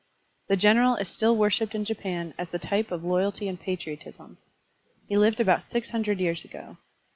The general is still worshiped in Japan as the type of loyalty and patriotism. He lived about six himdred years ago.